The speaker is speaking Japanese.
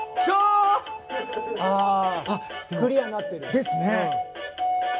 ですね。